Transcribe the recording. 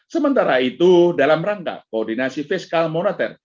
sementara itu dalam rangka koordinasi fiskal moneter